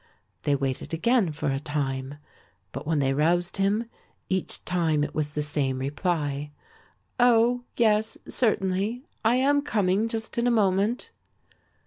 They waited again for a time but when they roused him, each time it was the same reply. "Oh, yes, certainly, I am coming just in a moment."